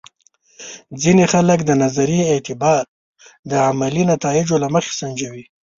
ځینې خلک د نظریې اعتبار د عملي نتایجو له مخې سنجوي.